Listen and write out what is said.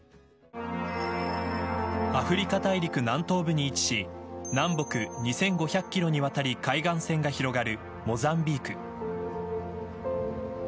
アフリカ大陸南東部に位置し南北２５００キロにわたり海岸線が広がるモザンビーク。